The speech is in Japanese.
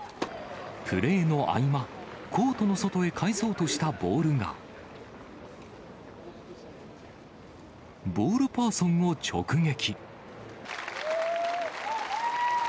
プレーの合間、コートの外へ返そうとしたボールが、ボールパーソンを直撃。